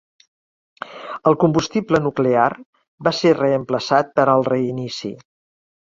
El combustible nuclear va ser reemplaçat per al reinici.